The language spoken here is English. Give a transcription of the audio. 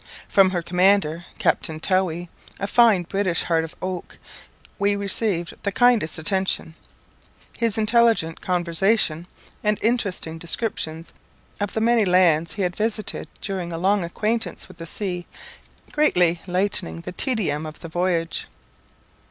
From her commander, Captain Towhy, a fine British heart of oak, we received the kindest attention; his intelligent conversation, and interesting descriptions of the many lands he had visited during a long acquaintance with the sea, greatly lightening the tedium of the voyage.